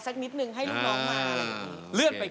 กับพอรู้ดวงชะตาของเขาแล้วนะครับ